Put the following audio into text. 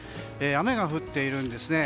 雨が降っているんですね。